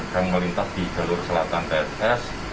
sedang melintas di jalur selatan tss